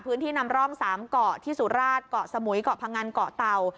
พื้นที่นำร่อง๓ก่อที่สุราชก่อสมุยก่อพังงันก่อเตา